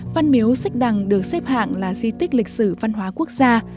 văn miếu xích đằng được xếp hạng là di tích lịch sử văn hóa quốc gia